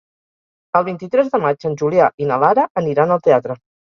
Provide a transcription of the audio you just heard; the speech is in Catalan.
El vint-i-tres de maig en Julià i na Lara aniran al teatre.